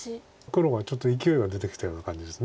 黒がちょっといきおいが出てきたような感じです。